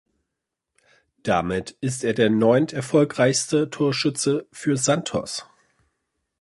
Damit ist er der neunt erfolgreichste Torschütze für "Santos".